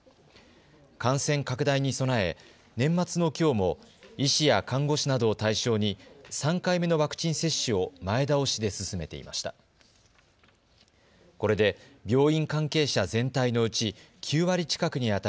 感染拡大に備え年末のきょうも医師や看護師などを対象に３回目のワクチン接種を前倒しで進めていました。